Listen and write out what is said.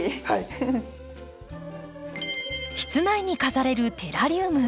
室内に飾れるテラリウム。